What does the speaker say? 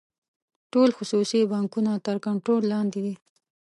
ټول خصوصي بانکونه تر کنټرول لاندې دي.